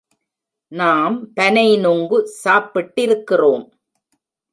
நாம் பனை நுங்கு சாப்பிட்டிருக்கிறோம்.